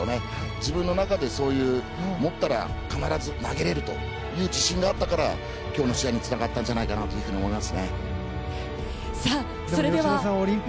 自分の中で必ず投げられるという自信があったから今日の試合につながったんじゃないかなと思います。